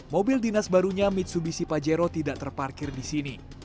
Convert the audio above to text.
mobil dinas barunya mitsubishi pajero tidak terparkir di sini